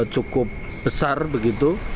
cukup besar begitu